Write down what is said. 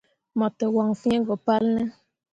Mo te waŋ fĩĩ go palne ?